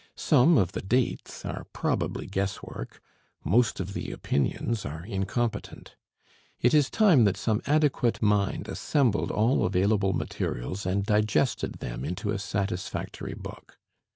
Some of the dates are probably guess work; most of the opinions are incompetent: it is time that some adequate mind assembled all available materials and digested them into a satisfactory book.